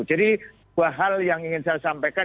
jadi dua hal yang ingin saya sampaikan